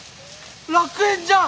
楽園じゃん！